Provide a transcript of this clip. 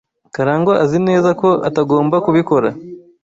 Karangwa azi neza ko atagomba kubikora.